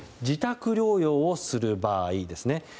自宅療養をする場合ですね。